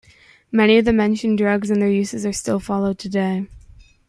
Many of the mentioned drugs and their uses are still followed today.